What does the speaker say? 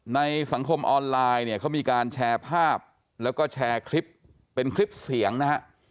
ในสังคมออนไลน์เนี่ยเขามีการแชร์ภาพแล้วก็แชร์คลิปเป็นคลิปเสียงนะฮะ